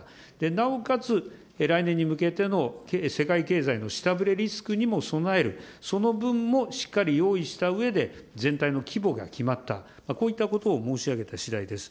なおかつ、来年に向けての世界経済の下振れリスクにも備える、その分もしっかり用意したうえで、全体の規模が決まった、こういったことを申し上げたしだいです。